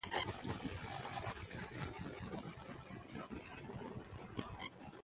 The flowers are uniformly yellow and sessile with hairy bracteoles at the base.